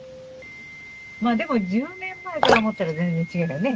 まあでも１０年前から思ったら全然違うよね。